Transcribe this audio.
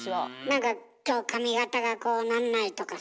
何か今日髪形がこうなんないとかさ。